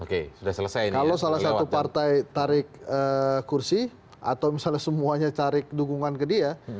kalau salah satu partai tarik kursi atau misalnya semuanya cari dukungan ke dia